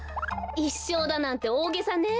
いっしょうだなんておおげさね。